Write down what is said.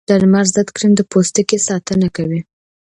د لمر ضد کریم د پوستکي ساتنه کوي